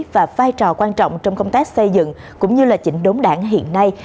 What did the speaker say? và vai trò quan trọng trong công tác xây dựng cũng như là chỉnh đốn đảng hiện nay